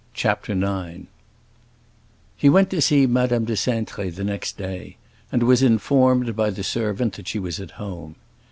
CHAPTER IX He went to see Madame de Cintré the next day, and was informed by the servant that she was at home.